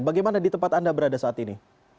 bagaimana di tempat anda berada saat ini